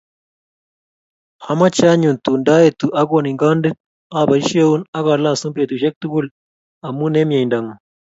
Amache anyun tun ndoetu akonin kondit, oboisieun ak olosun betusiek tugul amu mieindongung